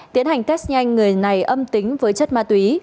tiến hành test nhanh người này âm tính với chất ma túy